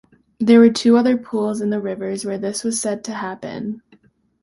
There were two other pools in the rivers where this was said to happen.